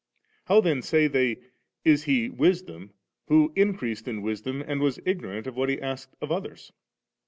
How then,* say they, * is He Wisdom, who increased in wisdom, and was ignorant of what He asked of others